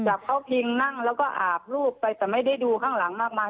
จับเขาพิงนั่งแล้วก็อาบรูปไปแต่ไม่ได้ดูข้างหลังมากมาย